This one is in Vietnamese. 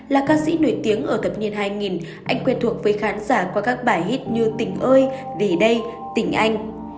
là ca sĩ nổi tiếng ở thập niên hai nghìn anh quen thuộc với khán giả qua các bài hit như tình ơi về đây tình anh